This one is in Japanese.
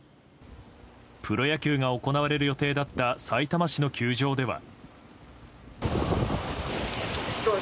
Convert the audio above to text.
プロ野球が行われる予定だったさいたま市の球場では。